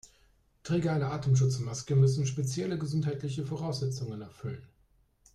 Träger einer Atemschutzmaske müssen spezielle gesundheitliche Voraussetzungen erfüllen.